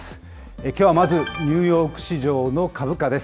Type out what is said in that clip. きょうはまずニューヨーク市場の株価です。